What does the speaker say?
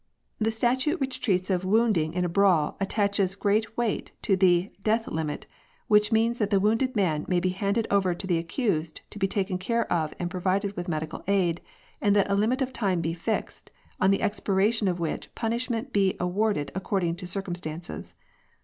The statute which INQUESTS. 179 treats of wounding in a brawl attaches great weight to the ' death limit,' which means that the wounded man be handed over to the accused to be taken care of and provided with medical aid, and that a limit of time be fixed, on the expiration of which punish ment be awarded according to circumstances.